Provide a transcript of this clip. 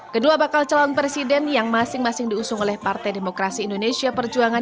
kedua bakal calon presiden yang masing masing diusung oleh partai demokrasi indonesia perjuangan